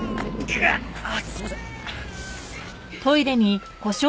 あっすいません。